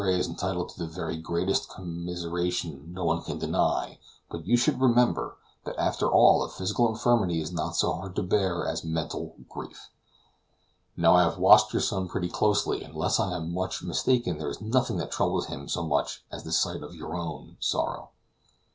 Andre is entitled to the very greatest commiseration no one can deny; but you should remember, that after all a physical infirmity is not so hard to bear as mental grief. Now, I have watched your son pretty closely, and unless I am much mistaken there is nothing that troubles him so much as the sight of your own sorrow."